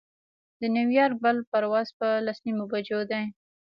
د نیویارک بل پرواز پر لس نیمو بجو دی.